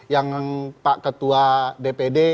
yang pak ketua dpd